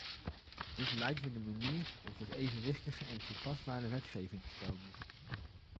Dit lijk me de manier om tot evenwichtige en toepasbare wetgeving te komen.